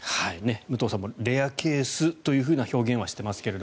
武藤さんもレアケースという表現はしていますが。